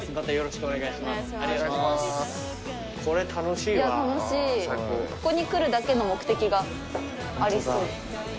ここに来るだけの目的がありそう。